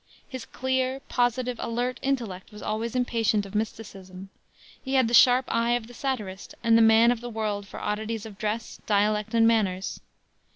His clear, positive, alert intellect was always impatient of mysticism. He had the sharp eye of the satirist and the man of the world for oddities of dress, dialect and manners.